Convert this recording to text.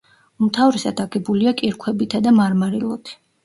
უმთავრესად აგებულია კირქვებითა და მარმარილოთი.